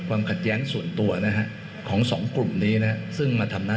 ความขัดแย้งส่วนตัวนะฮะของสองกลุ่มนี้นะฮะ